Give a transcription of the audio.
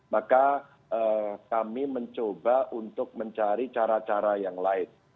maka kami mencoba untuk mencari cara cara yang lain